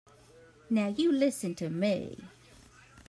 Now you listen to me.